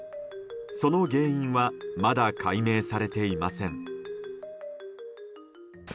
その原因はまだ解明されていません。